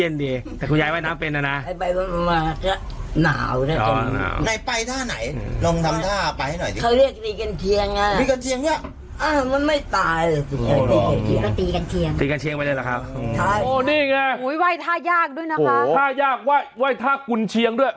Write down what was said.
นี่ไงไหว้ท่ายากด้วยนะคะท่ายากไหว้ท่ากุญเชียงด้วย